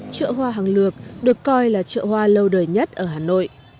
chợ hoa hàng lược được coi là chợ hoa lâu đời nhất ở hà nội